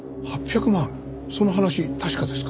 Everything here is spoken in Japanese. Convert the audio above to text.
その話確かですか？